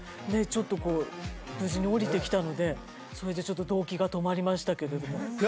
ちょっとこう無事におりてきたのでそれでちょっと動悸が止まりましたけれどもで